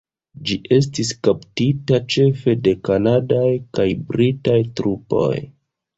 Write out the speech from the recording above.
Ĝi estis kaptita ĉefe de kanadaj kaj britaj trupoj.